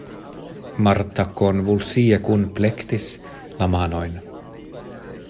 Marta konvulsie kunplektis la manojn.